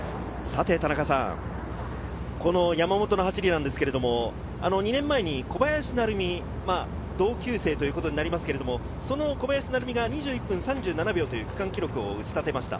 田中さん、この山本の走りですが、２年前に小林成美、同級生ということになりますが、小林が２１分３７秒という区間記録を打ち立てました。